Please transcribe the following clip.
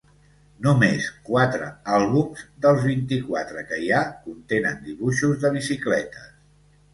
Només quatre àlbums, dels vint-i-quatre que hi ha, contenen dibuixos de bicicletes.